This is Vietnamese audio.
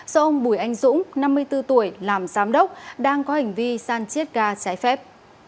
do ông bùi anh dũng năm mươi bốn tuổi làm giám đốc đang có hành vi san chiết ga trái phép